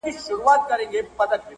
د دوی لنډه غري د افغانستان په سمتونو